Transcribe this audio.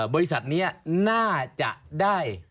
บริษัทนี้น่าจะได้